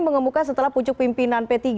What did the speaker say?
mengemuka setelah pucuk pimpinan p tiga